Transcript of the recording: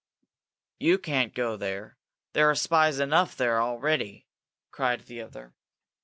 "You can't go there. There are spies enough there already!" cried the other.